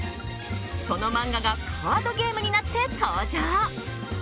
その漫画がカードゲームになって登場。